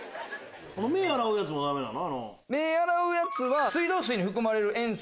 目洗うやつもダメなの？